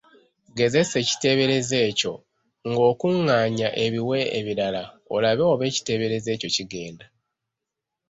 Gezesa ekiteeberezo ekyo ng’okuŋŋaanya ebiwe ebirala olabe oba ekiteeberezo kigenda.